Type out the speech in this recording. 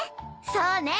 そうね！